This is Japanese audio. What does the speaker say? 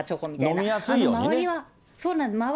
飲みやすいようにね。